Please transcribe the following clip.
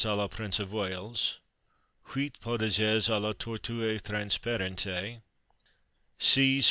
à la Prince of Wales. Huit Potages à la Tortue Transparente. Seize Id.